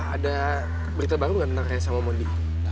ada berita baru gak tentang karya sama mondi